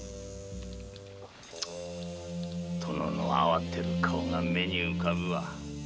殿の慌てる顔が目に浮かぶわ。